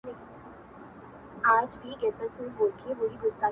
فريادي داده محبت کار په سلگيو نه سي ـ